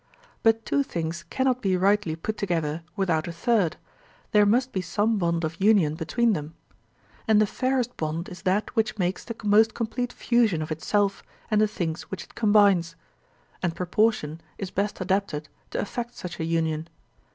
But two things cannot be rightly put together without a third; there must be some bond of union between them. And the fairest bond is that which makes the most complete fusion of itself and the things which it combines; and proportion is best adapted to effect such a union.